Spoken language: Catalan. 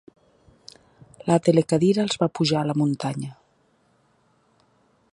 La telecadira els va pujar a la muntanya.